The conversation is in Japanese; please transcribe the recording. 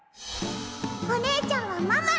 お姉ちゃんはママ！